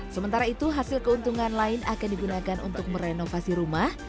sementara itu hasil keuntungan lain akan digunakan untuk merenovasi rumah